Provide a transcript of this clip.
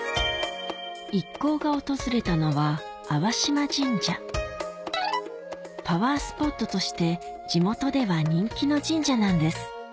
一行が訪れたのはパワースポットとして地元では人気の神社なんです